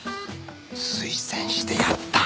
推薦してやった。